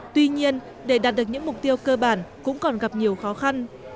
tuy nhiên để đạt được những mục tiêu cơ bản cũng còn gặp nhiều khó khăn